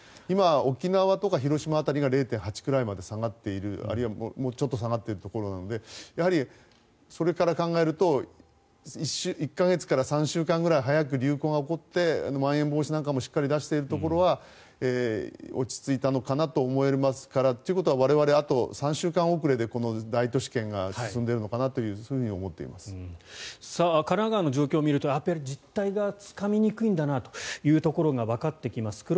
今、沖縄とか広島辺りが０．８くらいまで下がっているあるいはもうちょっと下がっているところなのでそれから考えると１か月から３週間くらい早く流行が起こってまん延防止なんかもしっかり出しているところは落ち着いたのかなと思えますからということは我々あと３週間遅れでこの大都市圏が進んでいるのかなと神奈川の状況を見てみると実態がつかみにくいんだなというところがわかってきます。